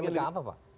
ini menyebabkan apa pak